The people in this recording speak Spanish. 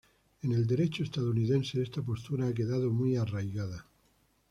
En el derecho estadounidense esta postura ha quedado muy arraigada.